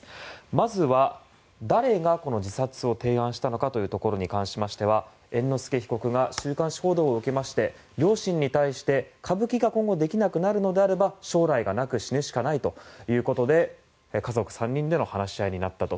まずは誰がこの自殺を提案したのかというところに関しましては猿之助被告が週刊誌報道を受けまして両親に対して歌舞伎が今後できなくなるのであれば将来がなく死ぬしかないということで家族３人での話し合いになったと。